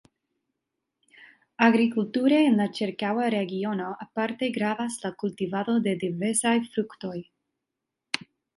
Agrikulture en la ĉirkaŭa regiono aparte gravas la kultivado de diversaj fruktoj.